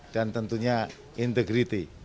dan tentunya integriti